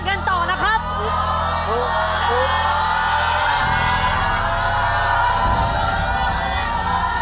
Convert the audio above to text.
หรือถูก